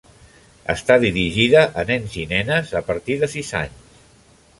Està dirigida a nens i nenes a partir de sis anys.